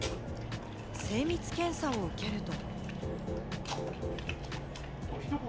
精密検査を受けると。